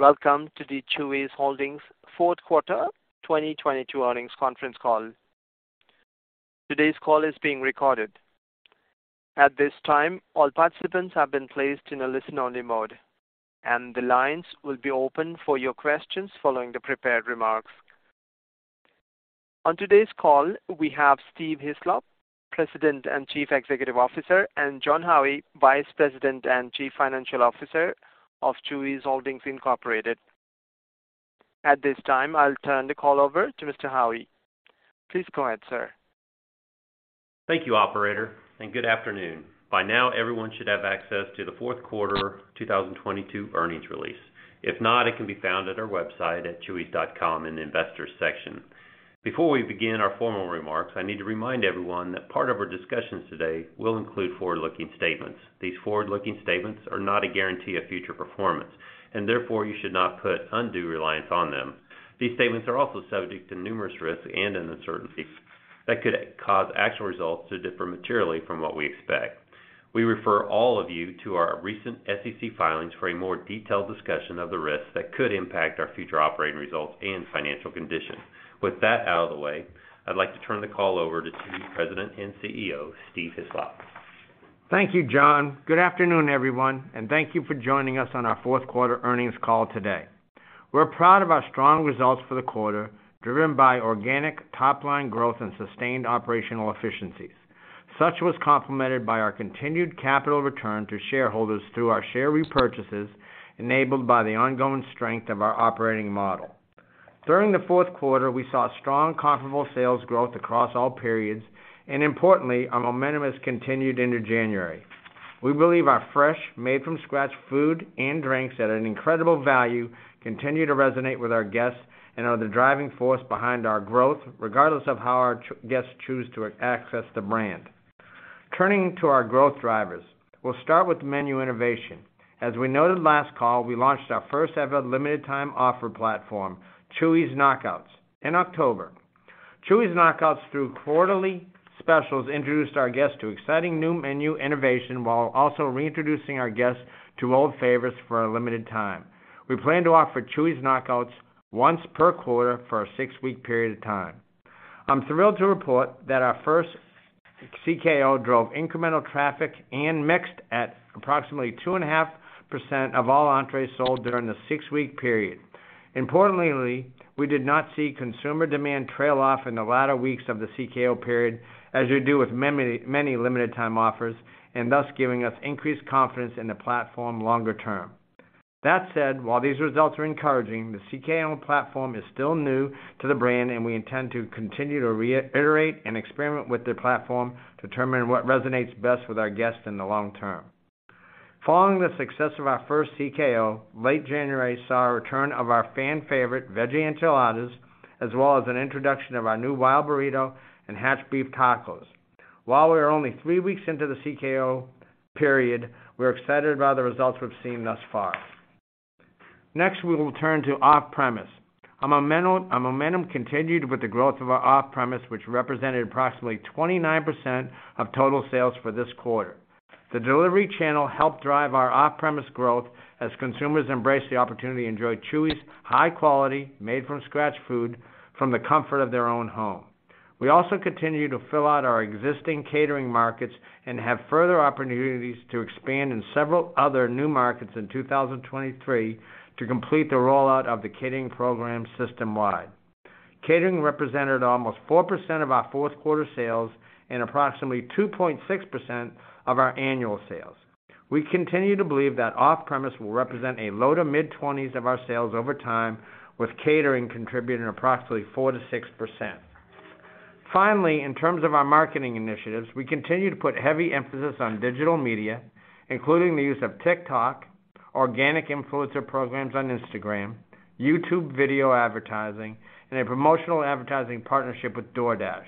Welcome to the Chuy's Holdings 4th quarter 2022 earnings conference call. Today's call is being recorded. At this time, all participants have been placed in a listen-only mode, and the lines will be open for your questions following the prepared remarks. On today's call, we have Steve Hislop, President and Chief Executive Officer, and Jon Howie, Vice President and Chief Financial Officer of Chuy's Holdings, Incorporated. At this time, I'll turn the call over to Mr. Howie. Please go ahead, sir. Thank you operator. Good afternoon. By now, everyone should have access to the fourth quarter 2022 earnings release. If not, it can be found at our website at chuy's.com in Investors Section. Before we begin our formal remarks, I need to remind everyone that part of our discussions today will include forward-looking statements. These forward-looking statements are not a guarantee of future performance, and therefore, you should not put undue reliance on them. These statements are also subject to numerous risks and uncertainties that could cause actual results to differ materially from what we expect. We refer all of you to our recent SEC filings for a more detailed discussion of the risks that could impact our future operating results and financial condition. With that out of the way, I'd like to turn the call over to Chuy's President and CEO, Steve Hislop. Thank you Jon. Good afternoon everyone, and thank you for joining us on our fourth quarter earnings call today. We're proud of our strong results for the quarter, driven by organic top-line growth and sustained operational efficiencies. Such was complemented by our continued capital return to shareholders through our share repurchases, enabled by the ongoing strength of our operating model. During the fourth quarter, we saw strong comparable sales growth across all periods, and importantly, our momentum has continued into January. We believe our fresh, made-from-scratch food and drinks at an incredible value continue to resonate with our guests and are the driving force behind our growth, regardless of how our guests choose to access the brand. Turning to our growth drivers, we'll start with menu innovation. As we noted last call, we launched our first-ever limited time offer platform, Chuy's Knockouts in October. Chuy's Knockouts through quarterly specials introduced our guests to exciting new menu innovation while also reintroducing our guests to old favorites for a limited time. We plan to offer Chuy's Knockouts once per quarter for a six-week period of time. I'm thrilled to report that our first CKO drove incremental traffic and mixed at approximately 2.5% of all entrees sold during the siz-week period. Importantly, we did not see consumer demand trail off in the latter weeks of the CKO period, as you do with many limited time offers. Thus giving us increased confidence in the platform longer term. That said, while these results are encouraging, the CKO platform is still new to the brand, and we intend to continue to reiterate and experiment with the platform to determine what resonates best with our guests in the long term. Following the success of our first CKO, late January saw a return of our fan favorite Veggie Enchiladas, as well as an introduction of our new Wild Burrito and Hatch Beef Tacos. While we are only three weeks into the CKO period, we're excited about the results we've seen thus far. We will turn to off-premise. Momentum continued with the growth of our off-premise, which represented approximately 29% of total sales for this quarter. The delivery channel helped drive our off-premise growth as consumers embrace the opportunity to enjoy Chuy's high quality made-from-scratch food from the comfort of their own home. We also continue to fill out our existing catering markets and have further opportunities to expand in several other new markets in 2023 to complete the rollout of the catering program system-wide. Catering represented almost 4% of our fourth quarter sales and approximately 2.6% of our annual sales. We continue to believe that off-premise will represent a low to mid-twenties of our sales over time, with catering contributing approximately 4%-6%. Finally, in terms of our marketing initiatives, we continue to put heavy emphasis on digital media, including the use of TikTok, organic influencer programs on Instagram, YouTube video advertising, and a promotional advertising partnership with DoorDash.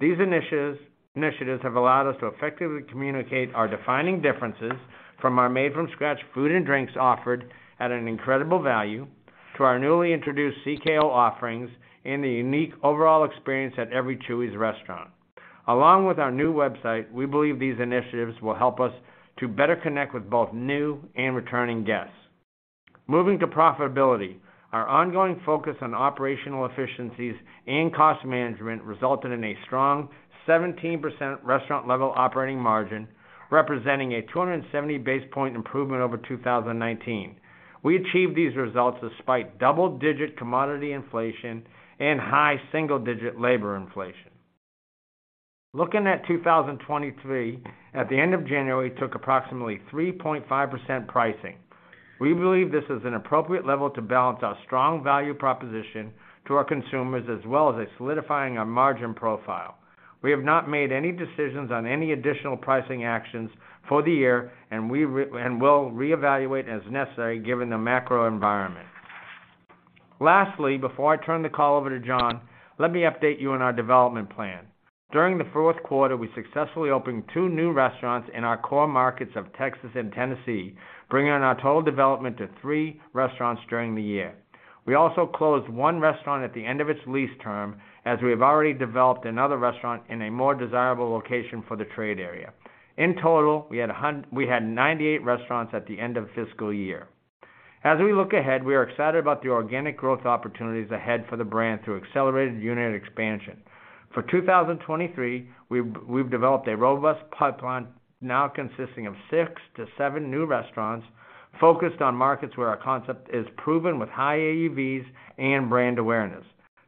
These initiatives have allowed us to effectively communicate our defining differences from our made-from-scratch food and drinks offered at an incredible value to our newly introduced CKO offerings and the unique overall experience at every Chuy's restaurant. Along with our new website, we believe these initiatives will help us to better connect with both new and returning guests. Moving to profitability, our ongoing focus on operational efficiencies and cost management resulted in a strong 17% restaurant level operating margin, representing a 270 basis point improvement over 2019. We achieved these results despite double-digit commodity inflation and high single-digit labor inflation. Looking at 2023, at the end of January, took approximately 3.5 pricing. We believe this is an appropriate level to balance our strong value proposition to our consumers, as well as solidifying our margin profile. We have not made any decisions on any additional pricing actions for the year and we and will reevaluate as necessary given the macro environment. Lastly, before I turn the call over to Jon, let me update you on our development plan. During the fourth quarter, we successfully opened two new restaurants in our core markets of Texas and Tennessee, bringing our total development to three restaurants during the year. We also closed one restaurant at the end of its lease term, as we have already developed another restaurant in a more desirable location for the trade area. In total, we had 98 restaurants at the end of fiscal year. As we look ahead, we are excited about the organic growth opportunities ahead for the brand through accelerated unit expansion. For 2023, we've developed a robust pipeline now consisting of six-seven new restaurants focused on markets where our concept is proven with high AUVs and brand awareness.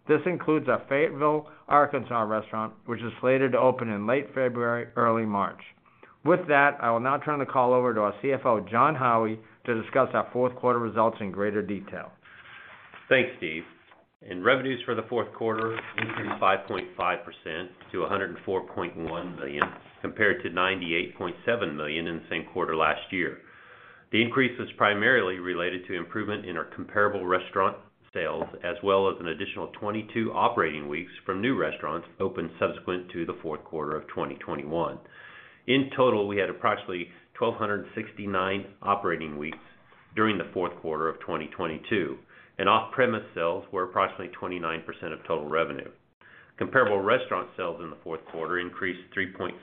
This includes our Fayetteville, Arkansas restaurant, which is slated to open in late February, early March. With that, I will now turn the call over to our CFO, Jon Howie to discuss our fourth quarter results in greater detail. Thanks Steve. Revenues for the fourth quarter increased 5.5% to $104.1 million, compared to $98.7 million in the same quarter last year. The increase was primarily related to improvement in our comparable restaurant sales, as well as an additional 22 operating weeks from new restaurants opened subsequent to the fourth quarter of 2021. In total, we had approximately 1,269 operating weeks during the fourth quarter of 2022, and off-premise sales were approximately 29% of total revenue. Comparable restaurant sales in the fourth quarter increased 3.4%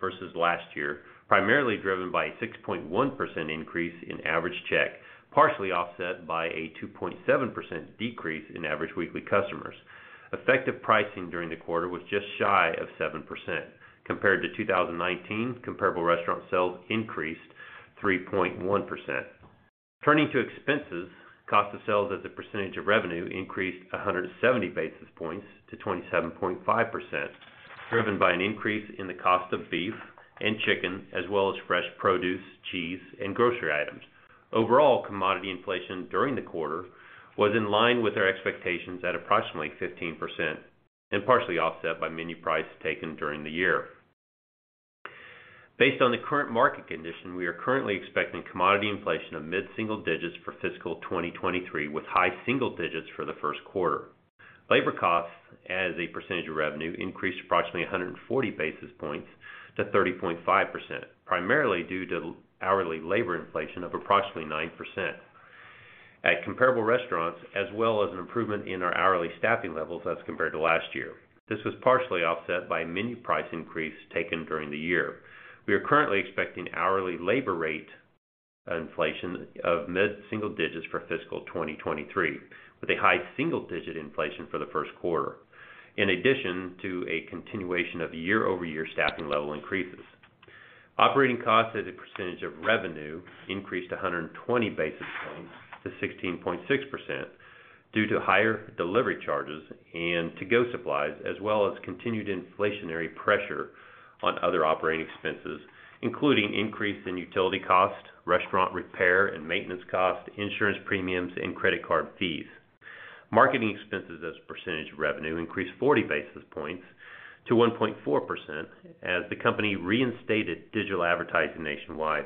versus last year, primarily driven by a 6.1% increase in average check, partially offset by a 2.7% decrease in average weekly customers. Effective pricing during the quarter was just shy of 7%. Compared to 2019, comparable restaurant sales increased 3.1%. Turning to expenses, cost of sales as a percentage of revenue increased 100 basis points to 27.5%, driven by an increase in the cost of beef and chicken, as well as fresh produce, cheese, and grocery items. Commodity inflation during the quarter was in line with our expectations at approximately 15% and partially offset by menu price taken during the year. Based on the current market condition, we are currently expecting commodity inflation of mid-single digits for fiscal 2023, with high single digits for the first quarter. Labor costs as a percentage of revenue increased approximately 140 basis points to 30.5%, primarily due to hourly labor inflation of approximately 9% at comparable restaurants, as well as an improvement in our hourly staffing levels as compared to last year. This was partially offset by menu price increase taken during the year. We are currently expecting hourly labor rate inflation of mid-single digits for fiscal 2023, with a high single-digit inflation for the first quarter, in addition to a continuation of year-over-year staffing level increases. Operating costs as a percentage of revenue increased 120 basis points to 16.6% due to higher delivery charges and to-go supplies, as well as continued inflationary pressure on other operating expenses, including increase in utility costs, restaurant repair and maintenance costs, insurance premiums, and credit card fees. Marketing expenses as a percentage of revenue increased 40 basis points to 1.4% as the company reinstated digital advertising nationwide.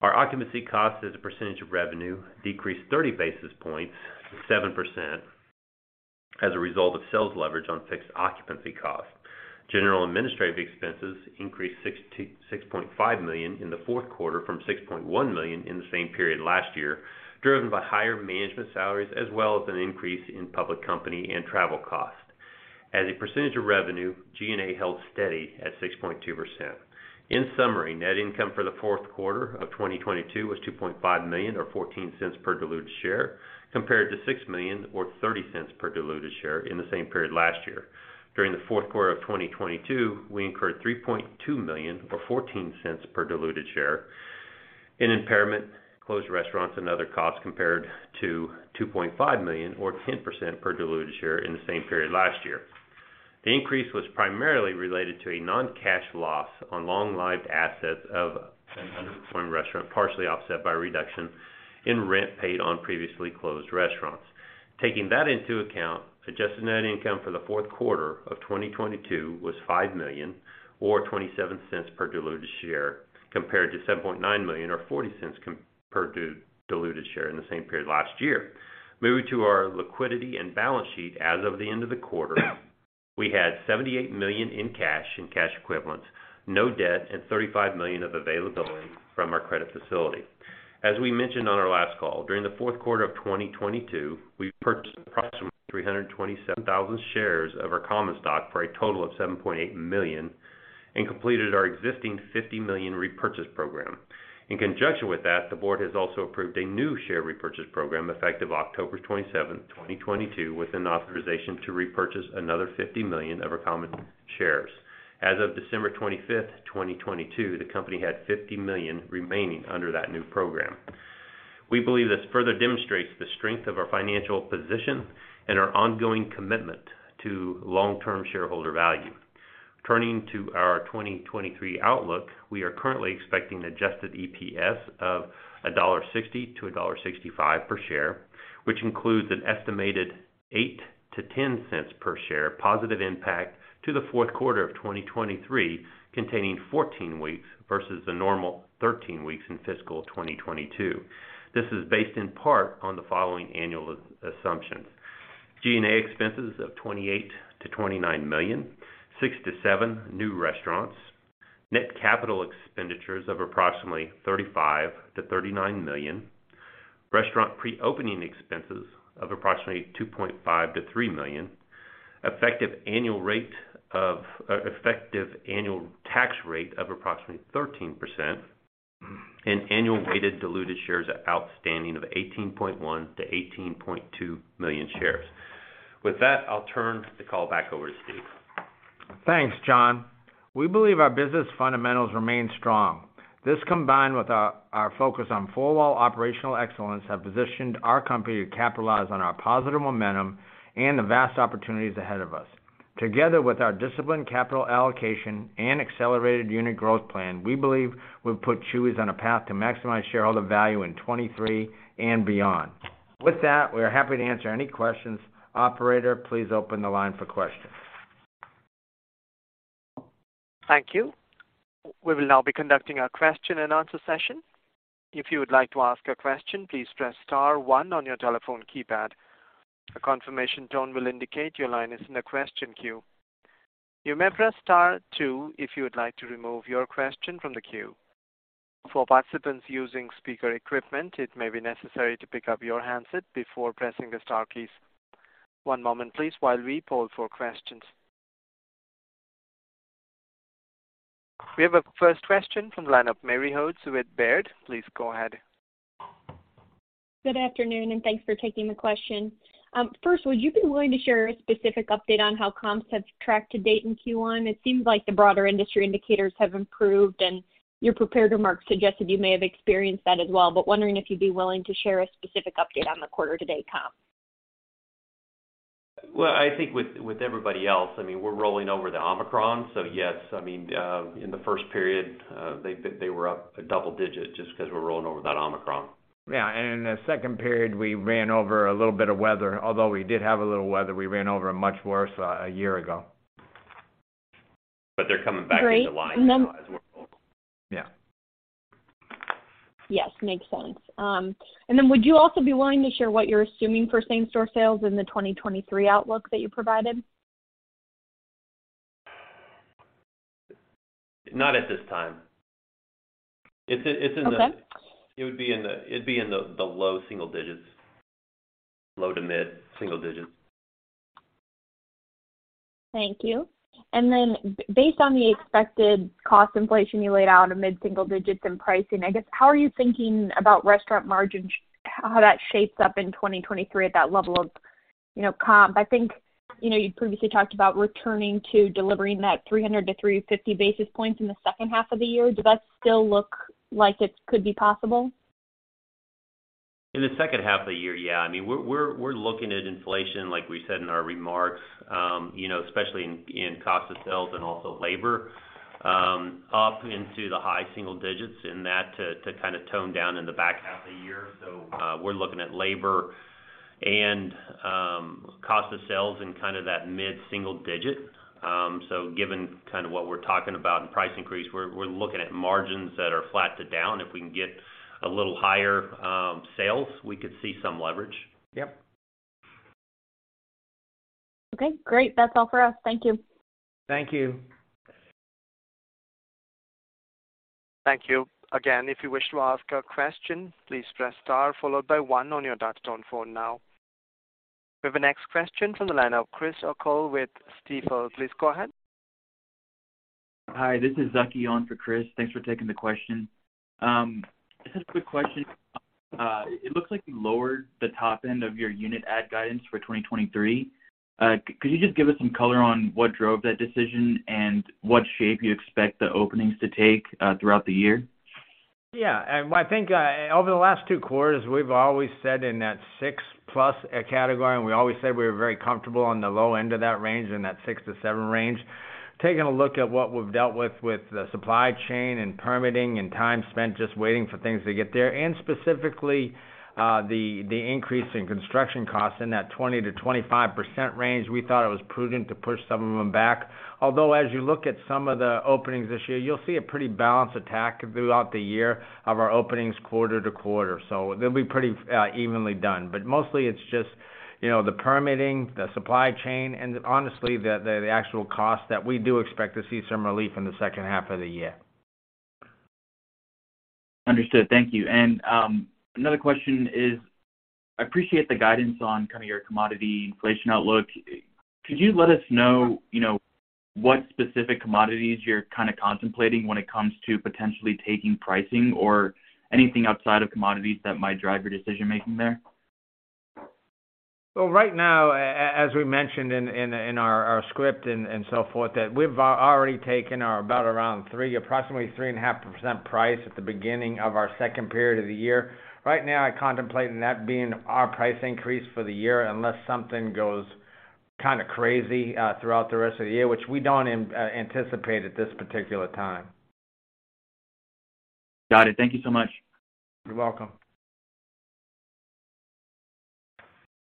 Our occupancy costs as a percentage of revenue decreased 30 basis points to 7% as a result of sales leverage on fixed occupancy costs. General and administrative expenses increased $66.5 million in the fourth quarter from $6.1 million in the same period last year, driven by higher management salaries as well as an increase in public company and travel costs. As a percentage of revenue, G&A held steady at 6.2%. In summary, net income for the fourth quarter of 2022 was $2.5 million or $0.14 per diluted share, compared to $6 million or $0.30 per diluted share in the same period last year. During the fourth quarter of 2022, we incurred $3.2 million or $0.14 per diluted share in impairment, closed restaurants and other costs compared to $2.5 million or 10% per diluted share in the same period last year. The increase was primarily related to a non-cash loss on long-lived assets of an underperforming restaurant, partially offset by a reduction in rent paid on previously closed restaurants. Taking that into account, adjusted net income for the fourth quarter of 2022 was $5 million or $0.27 per diluted share, compared to $7.9 million or $0.40 per diluted share in the same period last year. Moving to our liquidity and balance sheet, as of the end of the quarter, we had $78 million in cash and cash equivalents, no debt, and $35 million of availability from our credit facility. As we mentioned on our last call, during the fourth quarter of 2022, we purchased approximately 327,000 shares of our common stock for a total of $7.8 million and completed our existing $50 million repurchase program. In conjunction with that, the board has also approved a new share repurchase program effective October 27, 2022, with an authorization to repurchase another $50 million of our common shares. As of December 25, 2022, the company had $50 million remaining under that new program. We believe this further demonstrates the strength of our financial position and our ongoing commitment to long-term shareholder value. Turning to our 2023 outlook, we are currently expecting adjusted EPS of $1.60-$1.65 per share, which includes an estimated $0.08-$0.10 per share positive impact to the Q4 2023, containing 14 weeks versus the normal 13 weeks in fiscal 2022. This is based in part on the following annual assumptions. G&A expenses of $28 million-$29 million. six-seven new restaurants. Net capital expenditures of approximately $35 million-$39 million. Restaurant pre-opening expenses of approximately $2.5 million-$3 million. Effective annual rate of, or effective annual tax rate of approximately 13%. And annual weighted diluted shares outstanding of 18.1 million-18.2 million shares. With that, I'll turn the call back over to Steve. Thanks Jon. We believe our business fundamentals remain strong. This combined with our focus on full wall operational excellence have positioned our company to capitalize on our positive momentum and the vast opportunities ahead of us. Together with our disciplined capital allocation and accelerated unit growth plan, we believe we've put Chuy's on a path to maximize shareholder value in 2023 and beyond. With that, we are happy to answer any questions. Operator, please open the line for questions. Thank you. We will now be conducting our question and answer session. If you would like to ask a question, please press star one on your telephone keypad. A confirmation tone will indicate your line is in the question queue. You may press star two if you would like to remove your question from the queue. For participants using speaker equipment, it may be necessary to pick up your handset before pressing the star keys. One moment please while we poll for questions. We have a first question from the line of Mary Hult with Baird. Please go ahead. Good afternoon, and thanks for taking the question. First, would you be willing to share a specific update on how comps have tracked to date in Q1? It seems like the broader industry indicators have improved, and your prepared remarks suggested you may have experienced that as well. Wondering if you'd be willing to share a specific update on the quarter to date comp. Well, I think with everybody else I mean, we're rolling over the Omicron. yes, I mean, in the first period, they were up a double digit just 'cause we're rolling over that Omicron. Yeah. In the second period, we ran over a little bit of weather. Although we did have a little weather, we ran over a much worse, a year ago. They're coming back into line now. Great. Yeah. Yes makes sense. Would you also be willing to share what you're assuming for same store sales in the 2023 outlook that you provided? Not at this time. It's. Okay. It would be in the, it'd be in the low single digits. Low to mid single digits. Thank you. Then based on the expected cost inflation you laid out in mid-single digits in pricing, I guess how are you thinking about restaurant margins, how that shapes up in 2023 at that level of, you know, comp? I think, you know, you previously talked about returning to delivering that 300-350 basis points in the second half of the year. Does that still look like it could be possible? In the second half of the year, yeah. I mean, we're looking at inflation, like we said in our remarks, you know, especially in cost of sales and also labor, up into the high single digits and that to kind of tone down in the back half of the year. We're looking at labor and cost of sales in kind of that mid-single digit. Given kind of what we're talking about in price increase, we're looking at margins that are flat to down. If we can get a little higher sales, we could see some leverage. Yep. Okay, great. That's all for us. Thank you. Thank you. Thank you. If you wish to ask a question, please press star followed by one on your touch tone phone now. We have a next question from the line of Chris O'Cull with Stifel. Please go ahead. Hi, this is Zaki on for Chris. Thanks for taking the question. This is a quick question. It looks like you lowered the top end of your unit ad guidance for 2023. Could you just give us some color on what drove that decision and what shape you expect the openings to take, throughout the year? Yeah. I think, over the last two quarters, we've always said in that six plus category, and we always said we were very comfortable on the low end of that range and that 6-7 range. Taking a look at what we've dealt with with the supply chain and permitting and time spent just waiting for things to get there, and specifically, the increase in construction costs in that 20%-25% range. We thought it was prudent to push some of them back. As you look at some of the openings this year, you'll see a pretty balanced attack throughout the year of our openings quarter to quarter. They'll be pretty evenly done. Mostly it's just, you know, the permitting, the supply chain, and honestly, the actual cost that we do expect to see some relief in the second half of the year. Understood. Thank you. Another question is, I appreciate the guidance on kind of your commodity inflation outlook. Could you let us know, you know, what specific commodities you're kind of contemplating when it comes to potentially taking pricing or anything outside of commodities that might drive your decision-making there? Well, right now, as we mentioned in our script and so forth, that we've already taken our about around three, approximately 3.5% price at the beginning of our second period of the year. Right now, I contemplate that being our price increase for the year unless something goes kinda crazy throughout the rest of the year, which we don't anticipate at this particular time. Got it. Thank you so much. You're welcome.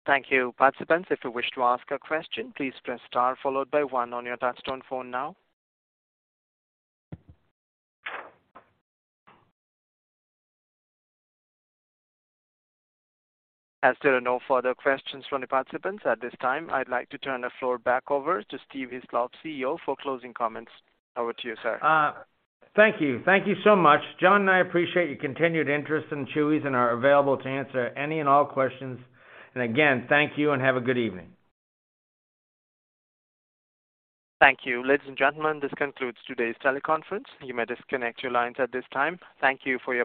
Thank you. Participants, if you wish to ask a question, please press star followed by one on your touch tone phone now. There are no further questions from the participants at this time, I'd like to turn the floor back over to Steve Hislop, CEO, for closing comments. Over to you sir. Thank you. Thank you so much. John and I appreciate your continued interest in Chuy's and are available to answer any and all questions. Again, thank you and have a good evening. Thank you. Ladies and gentlemen, this concludes today's teleconference. You may disconnect your lines at this time. Thank you for your participation.